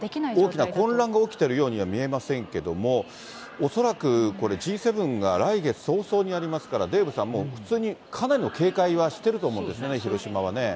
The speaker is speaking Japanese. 大きな混乱が起きているようには見えませんけども、恐らく、これ、Ｇ７が来月早々にありますから、デーブさん、もう、普通にかなりの警戒はしてると思うんですよね、広島はね。